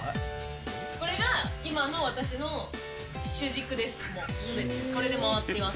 これが今の私の主軸です。